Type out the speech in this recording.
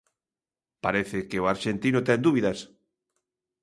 Parece que o arxentino ten dúbidas.